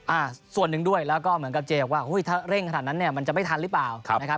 อ่าก๔๗๑ด้วยแล้วก็เหมือนกับเจ๊ว่าถ้าเร่งขนาดนั้นเนี้ยมันจะไม่ทันหรือเปล่า